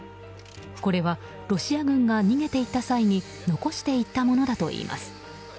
これはロシア軍が逃げて行った際に残していったものだといいます。